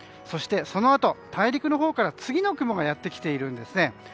そして、そのあと大陸のほうから次の雲がやってきているんですね。